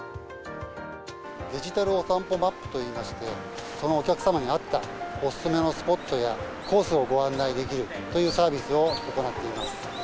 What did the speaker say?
デジタルお散歩マップといいまして、そのお客様に合ったお勧めのスポットや、コースをご案内できるというサービスを行っています。